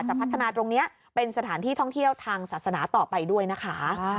พัฒนาตรงนี้เป็นสถานที่ท่องเที่ยวทางศาสนาต่อไปด้วยนะคะ